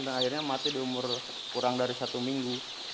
akhirnya mati di umur kurang dari satu minggu